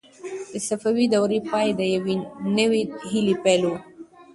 د صفوي دورې پای د یوې نوې هیلې پیل و.